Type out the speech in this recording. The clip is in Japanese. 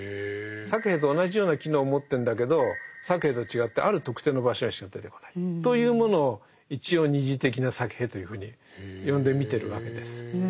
サケヘと同じような機能を持ってんだけどサケヘと違ってある特定の場所にしか出てこないというものを一応「二次的なサケヘ」というふうに呼んでみてるわけです。